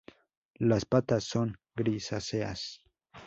Las patas son grisáceas.